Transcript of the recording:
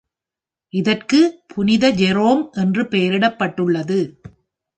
இதற்கு புனித ஜெரோம் என்று பெயரிடப்பட்டுள்ளது.